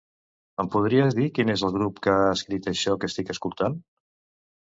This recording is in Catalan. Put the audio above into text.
Em podries dir quin és el grup que ha escrit això que estic escoltant?